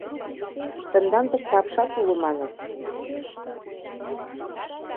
— Тендан тыште апшат уло, маныт.